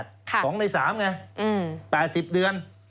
ครับสองในสามไงอืมแปดสิบเดือน